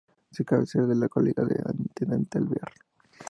Su cabecera es la localidad de Intendente Alvear.